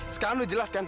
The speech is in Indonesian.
sekarang lu jelas kan